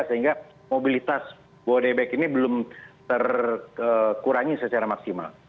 sehingga mobilitas bodai beg ini belum terkurangi secara maksimal